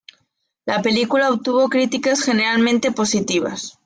La película obtuvo críticas generalmente positivas.